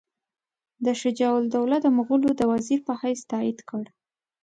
ده شجاع الدوله د مغولو د وزیر په حیث تایید کړ.